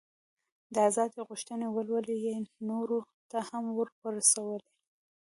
د ازادۍ غوښتنې ولولې یې نورو ته هم ور ورسولې.